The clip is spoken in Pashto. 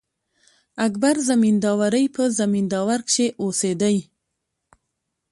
اکبر زمینداوری په زمینداور کښي اوسېدﺉ.